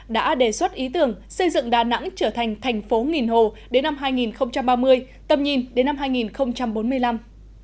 đã đề xuất ý tưởng xây dựng đà nẵng trở thành thành phố nghìn hồ đến năm hai nghìn ba mươi tầm nhìn đến năm hai nghìn bốn mươi năm